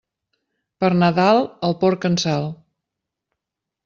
Per Nadal, el porc en sal.